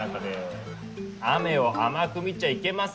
雨を甘く見ちゃいけませんよ！